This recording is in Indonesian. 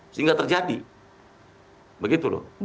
sehingga terjadi begitu loh